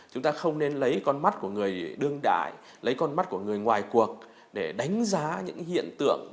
chúng ta không nên lấy con mắt của người đương đại lấy con mắt của người ngoài cuộc để đánh giá những hiện tượng